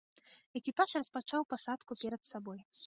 Экіпаж распачаў пасадку перад сабой.